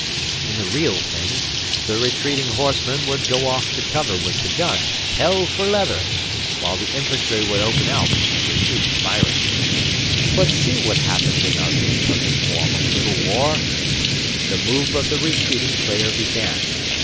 In the real thing, the retreating horsemen would go off to cover with the gun, "hell for leather," while the infantry would open out and retreat, firing. But see what happened in our imperfect form of Little War! The move of the retreating player began.